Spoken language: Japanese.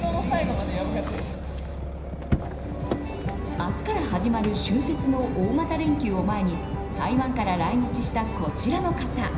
明日から始まる春節の大型連休を前に台湾から来日したこちらの方。